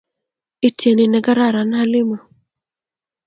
Ityeni negararan Halima